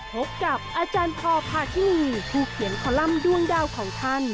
พบกับอาจารย์พอพาทินีผู้เขียนคอลัมป์ด้วงดาวของท่าน